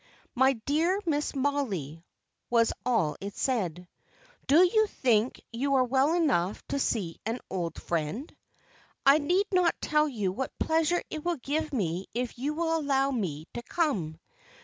"MY DEAR MISS MOLLIE," was all it said "Do you think you are well enough to see an old friend? I need not tell you what pleasure it will give me if you will allow me to come.